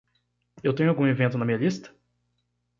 Eu tenho algum evento na minha lista?